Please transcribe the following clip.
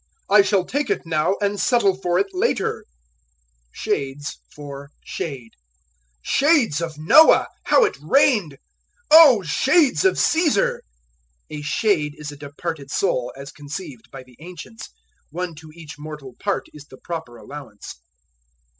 "I shall take it now and settle for it later." Shades for Shade. "Shades of Noah! how it rained!" "O shades of Caesar!" A shade is a departed soul, as conceived by the ancients; one to each mortal part is the proper allowance.